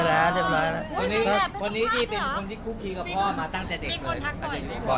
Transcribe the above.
โดยเฉพาะพี่จุ่มเนี่ยจะไม่เข้าหาพ่อ